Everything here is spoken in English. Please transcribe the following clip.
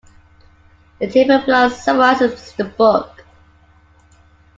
The table below summarizes the book.